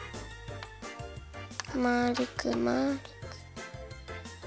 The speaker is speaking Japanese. まるくまるく。